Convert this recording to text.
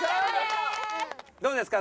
どうですか？